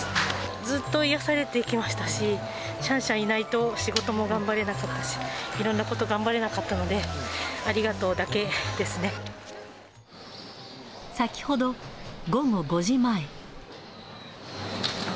ずっと癒やされてきましたし、シャンシャンいないと、仕事も頑張れなかったし、いろんなこと頑張れなかったので、先ほど午後５時前。